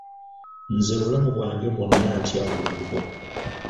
Nze obulamu bwange bwonna ntya olubugo.